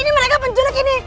ini mereka penculik ini